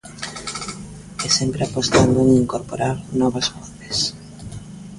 E sempre apostando en incorporar novas voces.